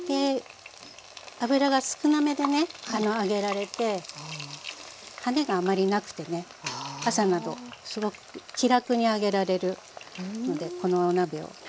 油が少なめでね揚げられてはねがあまりなくてね朝などすごく気楽に揚げられるのでこのお鍋を愛用しています。